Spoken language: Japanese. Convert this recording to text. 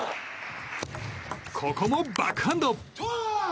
ここもバックハンド！